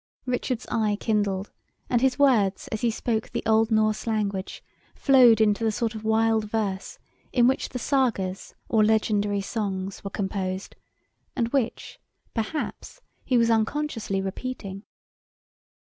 Richard's eye kindled, and his words, as he spoke the old Norse language, flowed into the sort of wild verse in which the Sagas or legendary songs were composed, and which, perhaps, he was unconsciously repeating.